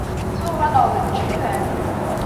Tuɣ-aneɣ d lǧiran.